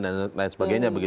dan lain sebagainya